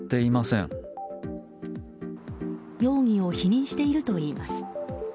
容疑を否認しているといいます。